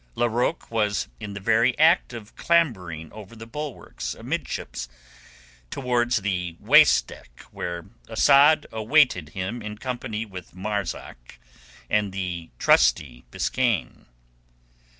Larocque was in the very act of clambering over the bulwarks amidships, towards the waist deck where Asad awaited him in company with Marzak and the trusty Biskaine.